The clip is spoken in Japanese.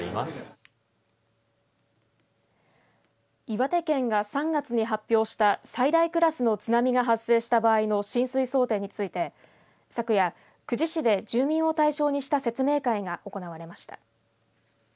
岩手県が３月に発表した最大クラスの津波が発生した場合の浸水想定について、昨夜久慈市で住民を対象にした説明会が行われました。